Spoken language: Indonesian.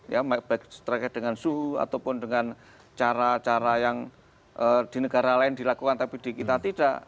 ya baik terkait dengan suhu ataupun dengan cara cara yang di negara lain dilakukan tapi di kita tidak